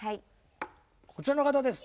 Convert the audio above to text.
こちらの方です。